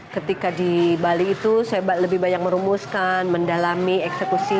ketika di bali itu saya lebih banyak merumuskan mendalami eksekusi